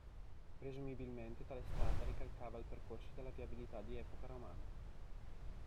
Presumibilmente tale strada ricalcava il percorso della viabilità di epoca romana.